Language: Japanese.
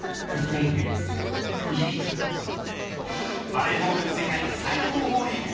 バレーボール世界最高峰リーグ